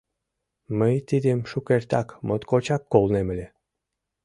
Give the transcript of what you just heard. Мый тидым шукертак моткочак колнем ыле.